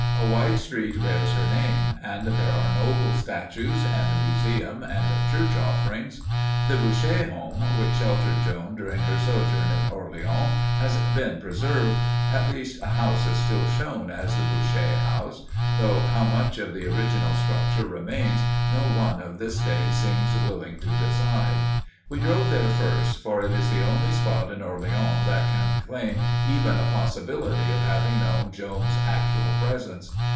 A wide street bears her name, and there are noble statues, and a museum, and church offerings. The Boucher home, which sheltered Joan during her sojourn in Orleans, has been preserved at least, a house is still shown as the Boucher house, though how much of the original structure remains no one of this day seems willing to decide. We drove there first, for it is the only spot in Orleans that can claim even a possibility of having known Joan's actual presence.